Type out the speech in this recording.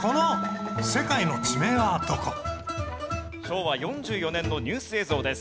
昭和４４年のニュース映像です。